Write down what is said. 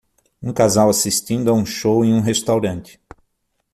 Um casal assistindo a um show em um restaurante.